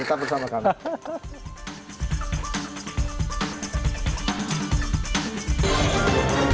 tetap bersama kami